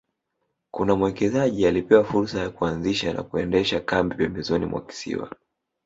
Kuna mwekezaji alipewa fursa ya kuanzisha na kuendesha kambi pembezoni mwa kisiwa